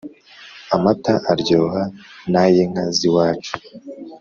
amata aryoha nayinka z’iwacu